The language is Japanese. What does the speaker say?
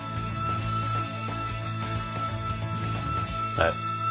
はい。